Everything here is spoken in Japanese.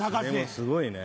すごいね。